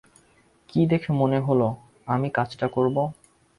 কী দেখে মনে হলো আমি কাজটা করব?